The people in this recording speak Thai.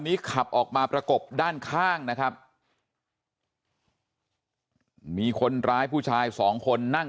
ขับออกมาประกบด้านข้างนะครับมีคนร้ายผู้ชายสองคนนั่ง